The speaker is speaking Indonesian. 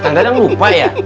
kang dadang lupa ya